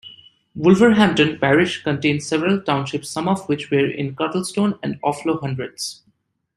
Wolverhampton parish contained several townships some of which were in Cuttlestone and Offlow Hundreds.